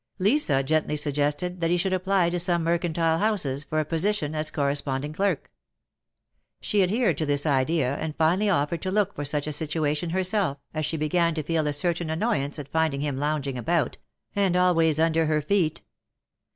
Lisa gently suggested that he should apply to some mercantile houses for a position as corresponding clerk. She adhered to this idea, and finally offered to look for such a situation herself, as she began to feel a certain THE MARKETS OF PARIS. 85 annoyance at finding him lounging about, and always under her feet.